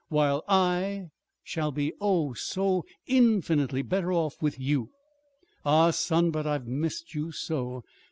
While I shall be, oh, so infinitely better off with you. Ah, son, but I've missed you so!"